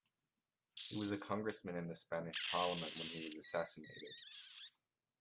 He was a congressman in the Spanish Parliament when he was assassinated.